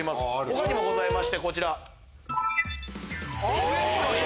他にもございますこちら。